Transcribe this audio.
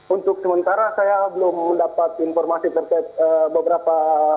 untuk sementara saya belum mendapat informasi terkait beberapa